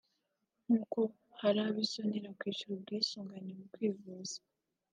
nk’uko hari abo isonera kwishyura ubwisungane mu kwivuza